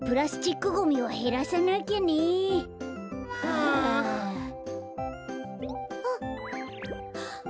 あっ。